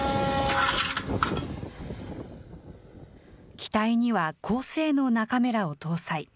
機体には高性能なカメラを搭載。